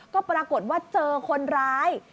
ก็ปรากฏว่าเจอคนร้าย